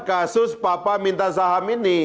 kasus papa minta saham ini